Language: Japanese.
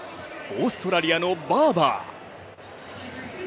オーストラリアのバーバー。